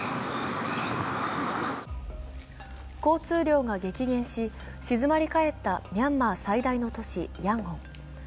交通量が激減し、静まり返ったミャンマー最大都市・ヤンゴン。